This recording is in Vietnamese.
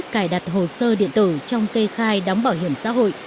cài đặt hồ sơ điện tử trong kê khai đóng bảo hiểm xã hội